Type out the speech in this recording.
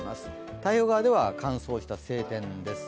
太平洋側では乾燥した晴天です。